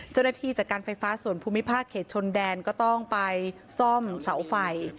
เจ้าหน้าที่จากการไฟฟ้าส่วนภูมิภาคเขตชนแดนก็ต้องไปซ่อมเสาไฟ